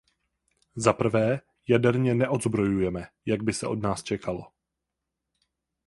Za prvé, jaderně neodzbrojujeme, jak by se od nás čekalo.